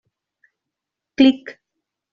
Clic!